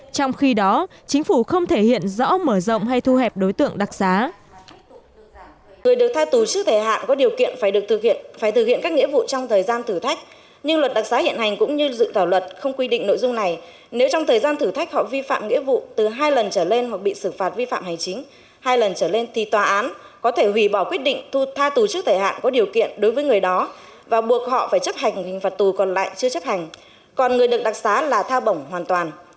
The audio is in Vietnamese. trong khi đó chính phủ không thể hiện rõ mở rộng hay thu hẹp đối tượng đặc sá